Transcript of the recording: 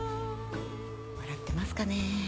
笑ってますかね？